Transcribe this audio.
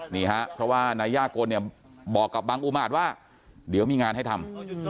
นี่ฮะเพราะว่านายย่ากลเนี่ยบอกกับบังอุมาตรว่าเดี๋ยวมีงานให้ทำ